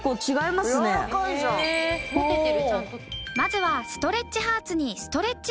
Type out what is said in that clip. まずはストレッチハーツにストレッチターボをセット。